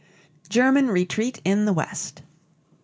GERMAN RETREAT IN THE WEST.